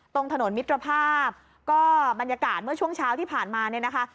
ตรงถนนมิตรภาพก็บรรยากาศเมื่อช่วงเช้าที่ผ่านมาเนี่ยนะคะ